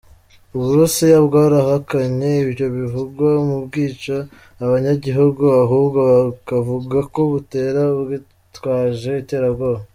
Uburusiya bwarahakanye ivyo bivugwa ko bwica abanyagihugu, ahubwo bukavuga ko butera abitwaje iterabwoba.